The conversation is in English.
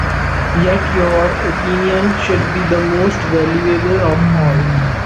Yet your opinion should be the most valuable of all.